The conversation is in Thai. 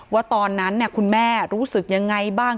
ว่าตอนนั้นคุณแม่รู้สึกยังไงบ้าง